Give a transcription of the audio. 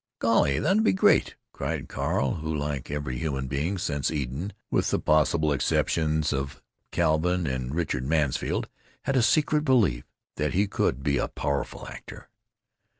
"Golly! that 'd be great!" cried Carl, who, like every human being since Eden, with the possible exceptions of Calvin and Richard Mansfield, had a secret belief that he could be a powerful actor.